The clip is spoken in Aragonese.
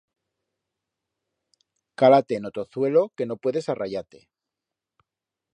Cala-te en o tozuelo que no puedes arrayar-te.